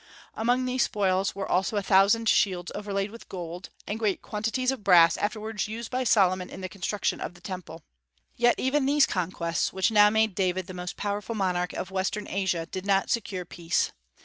Among these spoils also were a thousand shields overlaid with gold, and great quantities of brass afterward used by Solomon in the construction of the Temple. Yet even these conquests, which now made David the most powerful monarch of western Asia, did not secure peace.